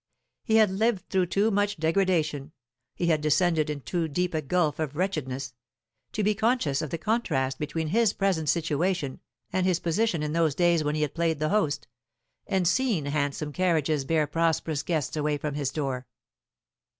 He had lived through too much degradation, he had descended into too deep a gulf of wretchedness, to be conscious of the contrast between his present situation and his position in those days when he had played the host, and seen handsome carriages bear prosperous guests away from his door.